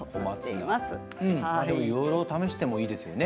いろいろ試してもいいですよね。